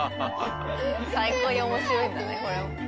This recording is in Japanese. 最高に面白いんだねこれ。